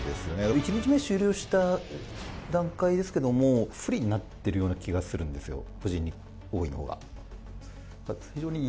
１日目終了した段階ですけれども、不利になってるような気がするんですよ、藤井王位のほうが。